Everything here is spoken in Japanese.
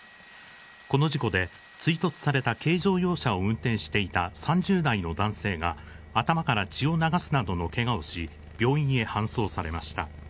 この事故で、追突された軽乗用車を運転していた３０代の男性が頭から血を流すなどのけがをし、病院へ搬送されました。